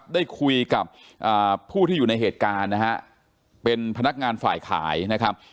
ได้คุยกับผู้ที่อยู่ในเหตุการณ์นะฮะเป็นพนักงานฝ่ายขายนะครับ